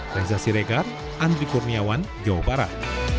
reza siregar andri kurniawan jawa barat